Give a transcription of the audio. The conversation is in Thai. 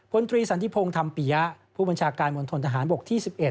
พลตรีสันติพงศ์ธรรมปียะผู้บัญชาการมณฑนทหารบกที่๑๑